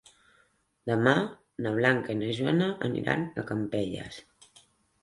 Demà na Blanca i na Joana aniran a Campelles.